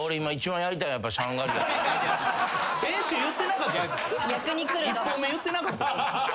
１本目言ってなかった。